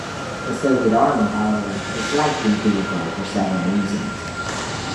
The Soviet Army however disliked the vehicle for several reasons.